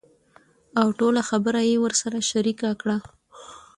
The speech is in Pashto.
اوټوله خبره يې ورسره شريکه کړه .